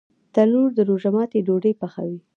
تنور د روژه ماتي ډوډۍ پخوي